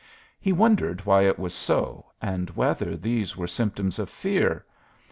He wondered why it was so, and whether these were symptoms of fear.